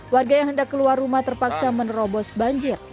warga yang hendak keluar rumah terpaksa menerobos banjir